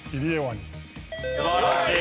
素晴らしい。